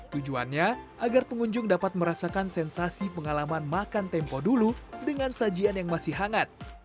tujuannya agar pengunjung dapat merasakan sensasi pengalaman makan tempo dulu dengan sajian yang masih hangat